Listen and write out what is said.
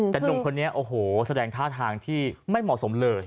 แต่ลุงคนนี้แสดงท่าทางที่ไม่เหมาะสมเลย